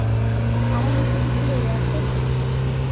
আমার মুখে কিছু লেগে আছে?